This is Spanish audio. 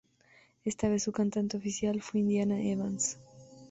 Esta vez su cantante oficial fue Indiana Evans.